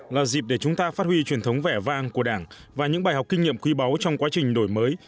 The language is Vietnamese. là dịp để chúng ta phát huy truyền thống vẻ vang của đảng và những bài học kinh nghiệm quý báu trong quá trình đổi mới